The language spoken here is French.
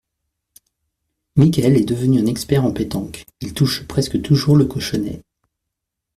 Michaël est devenu un expert en pétanque, il touche presque toujours le cochonnet.